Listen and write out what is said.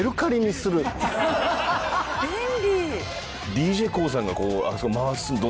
ＤＪＫＯＯさんが回す。